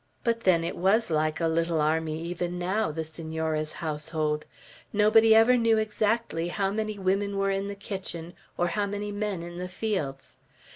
But then, it was like a little army even now, the Senora's household; nobody ever knew exactly how many women were in the kitchen, or how many men in the fields.